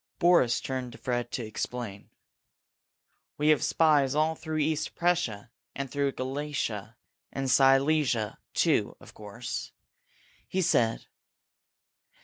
Boris turned to Fred to explain. "We have spies all through East Prussia, and through Galicia and Silesia, too, of course," he said.